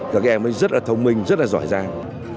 các em mới rất là thông minh rất là giỏi giang